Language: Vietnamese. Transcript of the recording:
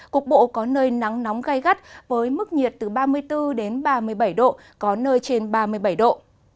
cục bộ có nơi nắng nóng gai gắt với mức nhiệt từ ba mươi bốn đến ba mươi bảy độ có nơi trên ba mươi bảy độ